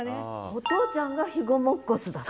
お父ちゃんが肥後もっこすだった。